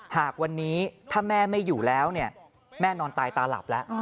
หากวันนี้ถ้าแม่ไม่อยู่แล้วเนี่ยแม่นอนตายตาหลับแล้ว